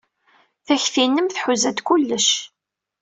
Takti-nnem tḥuza-d kullec.